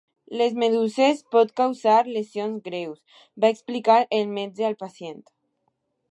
"Les meduses pot causar lesions greus", va explicar el metge al pacient.